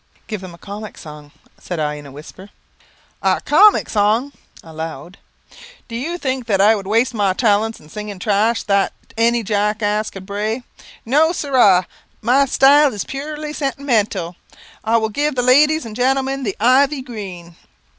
"Give them a comic song," said I, in a whisper. "A comic song! (aloud) Do you think that I would waste my talents in singing trash that any jackass could bray? No, sirra, my style is purely sentimental. I will give the ladies and gentlemen the 'Ivy Green.'"